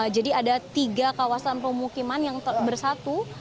jadi ada tiga kawasan pemukiman yang bersatu